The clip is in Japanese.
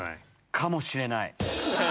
かもしれない！